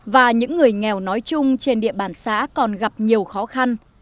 và những người nghèo nói chung trên địa bàn xã còn gặp nhiều khó khăn